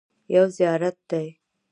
یو زیارت دی.